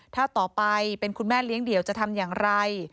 ถ้าต่อไปเป็นคุณแม่เลี้ยงเดี่ยวจะทำอย่างไร